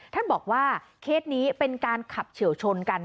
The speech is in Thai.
ท่านบอกว่าเคสนี้เป็นการขับเฉียวชนกัน